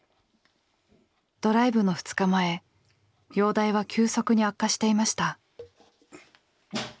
ドライブの２日前容体は急速に悪化していました。